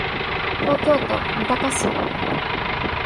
東京都三鷹市